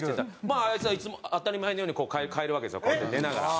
あいつはいつも当たり前のように変えるわけですよこうやって寝ながら。